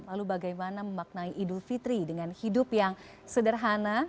lalu bagaimana memaknai idul fitri dengan hidup yang sederhana